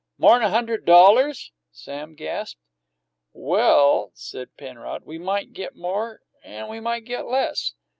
"More'n a hundred dollars?" Sam gasped. "Well," said Penrod, "we might get more and we might get less."